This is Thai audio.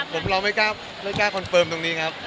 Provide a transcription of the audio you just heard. ผมเราไม่กล้าคอนเฟิร์มตรงนี้ครับ